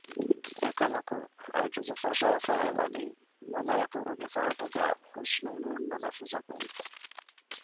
އެކަމަކު ޢަޖުޒު ފަށައިފައި އެ ވަނީ މުލައަކުރުގެ ފަހަތުގައި ހުސްނޫނު އޮންނަ ލަފުޒަކުން